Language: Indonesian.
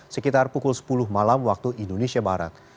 sekitar pukul sepuluh malam waktu indonesia barat